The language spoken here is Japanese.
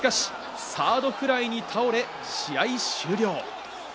しかしサードフライに倒れ、試合終了。